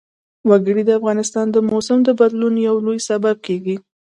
وګړي د افغانستان د موسم د بدلون یو لوی سبب کېږي.